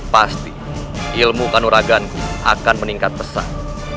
pasti ilmu kanuraganku akan meningkat besar